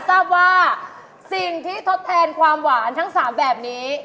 ทราบว่าสิ่งที่ทดแทนความหวานทั้ง๓แบบนี้